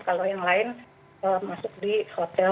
kalau yang lain masuk di hotel